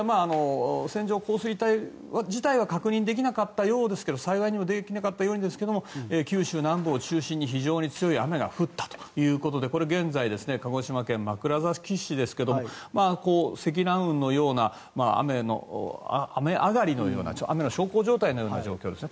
線状降水帯自体は確認できなかったようですが幸いにもできなかったようですが九州南部を中心に非常に強い雨が降ったということでこれ、現在の鹿児島県枕崎市ですが積乱雲のような雨上がりのような雨の小康状態のような状況です。